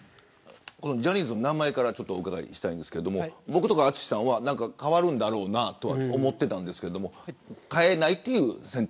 ジャニーズの名前からお伺いしたいんですが僕とか淳さんは変わるんだろうなと思っていたんですけど変えないという選択。